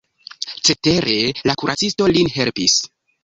Cetere la kuracisto lin helpis.